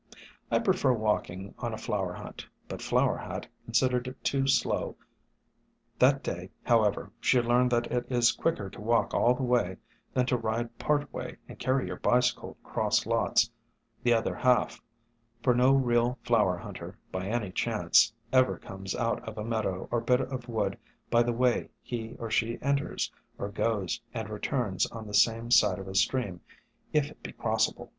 I prefer walking on a flower hunt, but Flower Hat considered it too slow. That day, however, she learned that it is quicker to walk all the way than to ride part way and carry your bicycle "'cross lots" the other half; for no real flower hunter, by any chance, ever comes out of a meadow or bit of wood by the way he or she enters, or goes and returns on the same side of a stream, if it be crossable.